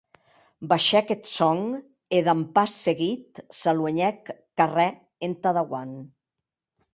Baishèc eth sòn, e, damb pas seguit, s’aluenhèc carrèr entà dauant.